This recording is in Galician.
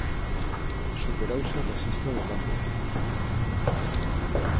Superouse o rexistro de Londres.